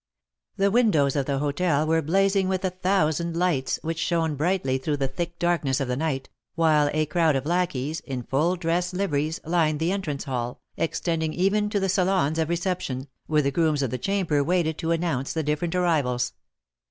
The windows of the hôtel were blazing with a thousand lights, which shone brightly through the thick darkness of the night, while a crowd of lacqueys, in full dress liveries, lined the entrance hall, extending even to the salons of reception, where the grooms of the chamber waited to announce the different arrivals.